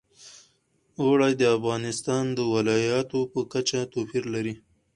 اوړي د افغانستان د ولایاتو په کچه توپیر لري.